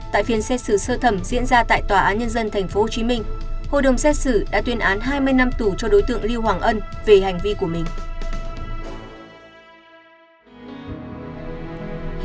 tại phiên xét xử sơ thẩm diễn ra tại tòa án nhân dân thành phố hồ chí minh hội đồng xét xử đã tuyên án hai mươi năm tù cho đối tượng lưu hoàng ân về hành vi của mình